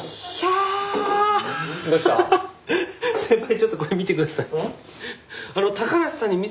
先輩ちょっとこれ見てください。